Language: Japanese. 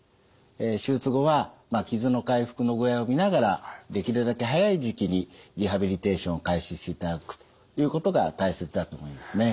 手術後は傷の回復の具合を見ながらできるだけ早い時期にリハビリテーションを開始していただくということが大切だと思いますね。